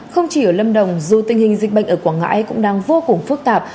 không chỉ ở lâm đồng dù tình hình dịch bệnh ở quảng ngãi cũng đang vô cùng phức tạp